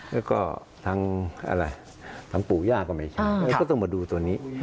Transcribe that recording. แล้วก็ทางอะไรทางปู่ย่าก็ไม่ใช่ก็ต้องมาดูตัวนี้